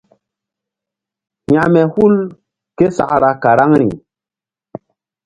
Hȩkme hul késakra karaŋri.